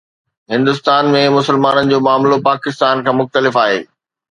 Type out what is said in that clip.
هندستان ۾ مسلمانن جو معاملو پاڪستان کان مختلف آهي.